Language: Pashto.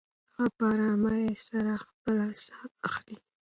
هغه په ارامۍ سره خپله ساه اخلې.